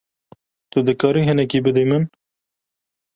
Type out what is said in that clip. Tu dikarî hinekî bidî min?